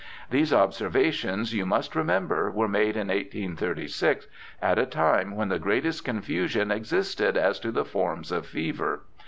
These observations, you must remember, were made in 1836, at a time when the greatest confusion existed as to the forms of fever.